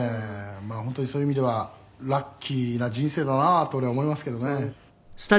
まあ本当にそういう意味ではラッキーな人生だなと俺は思いますけどね」